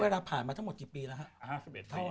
เวลาผ่านมาทั้งหมดกี่ปีแล้ว